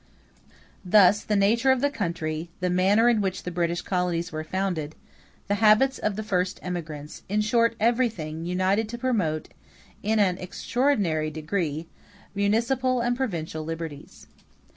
Thus, the nature of the country, the manner in which the British colonies were founded, the habits of the first emigrants, in short everything, united to promote, in an extraordinary degree, municipal and provincial liberties.